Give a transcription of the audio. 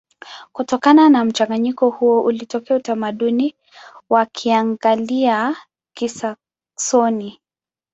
Kutokana na mchanganyiko huo ulitokea utamaduni wa Kianglia-Kisaksoni.